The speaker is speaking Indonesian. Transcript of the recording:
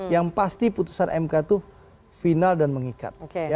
yang pasti putusan mk itu final dan mengikat